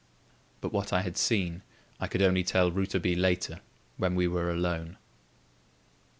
But what I had seen I could only tell Rouletabille later, when we were alone.